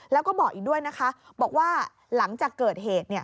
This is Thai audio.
แล้วก็บอกอีกด้วยนะคะบอกว่าหลังจากเกิดเหตุ